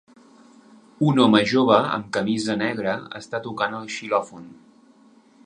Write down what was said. Un home jove amb camisa negra està tocant el xilòfon.